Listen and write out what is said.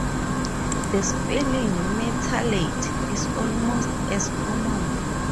The spelling metalate is almost as common.